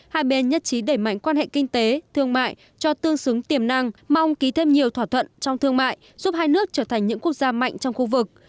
hai bên nhất trí đẩy mạnh quan hệ kinh tế thương mại cho tương xứng tiềm năng mong ký thêm nhiều thỏa thuận trong thương mại giúp hai nước trở thành những quốc gia mạnh trong khu vực